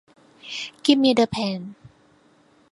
Give me the pen.